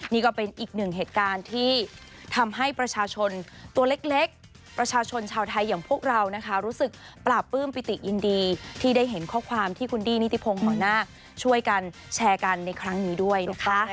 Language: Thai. นี่ก็เป็นอีกหนึ่งเหตุการณ์ที่ทำให้ประชาชนตัวเล็กประชาชนชาวไทยอย่างพวกเรานะคะรู้สึกปราบปื้มปิติยินดีที่ได้เห็นข้อความที่คุณดี้นิติพงศ์หัวหน้าช่วยกันแชร์กันในครั้งนี้ด้วยนะคะ